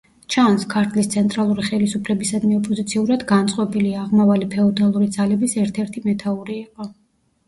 ჩანს, ქართლის ცენტრალური ხელისუფლებისადმი ოპოზიციურად განწყობილი, აღმავალი ფეოდალური ძალების ერთ-ერთი მეთაური იყო.